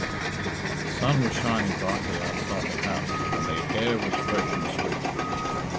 The sun was shining brightly outside the house, and the air was fresh and sweet.